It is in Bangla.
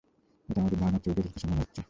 এটা আমাদের ধারণার চেয়েও জটিল কিছু মনে হচ্ছে।